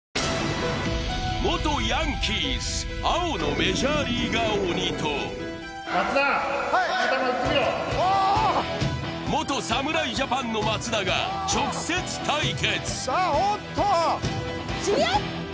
元ヤンキース、青のメジャーリーガー鬼と元侍ジャパンの松田が直接対決。